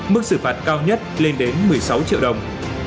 mức xử phạt cao nhất lên đến một mươi sáu triệu đồng